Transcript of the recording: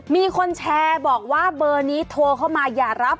มีคนแชร์บอกว่าเบอร์นี้โทรเข้ามาอย่ารับ